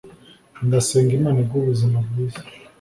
ndasenga imana iguhe ubuzima bwiza